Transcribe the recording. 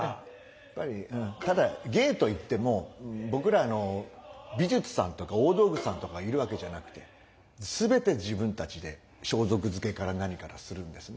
やっぱりただ芸といっても僕ら美術さんとか大道具さんとかいるわけじゃなくて全て自分たちで装束着けから何からするんですね。